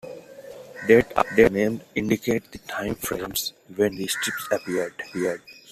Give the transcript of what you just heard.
Dates after names indicate the time frames when the strips appeared.